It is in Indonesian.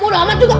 bodoh amat juga